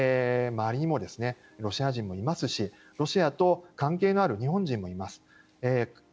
周りにもロシア人もいますしロシアと関係のある日本人もいます。